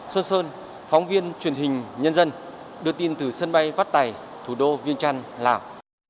sơn sơn phóng viên truyền hình nhân dân được tin từ sân bay vắt tày thủ đô viên trăn lào